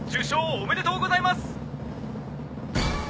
おめでとうございます。